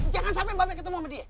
jangan sampai babe ketemu sama dia ya